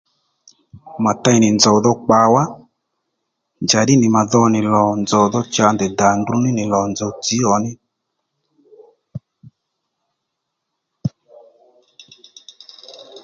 Ma tey nì nzòw dhò kpàwá njàddí nì mà dho nì lò nzòw dhò cha ndèy dà ndruní nì lò nzòw tsǐwò ní